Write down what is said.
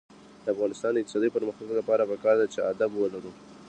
د افغانستان د اقتصادي پرمختګ لپاره پکار ده چې ادب ولرو.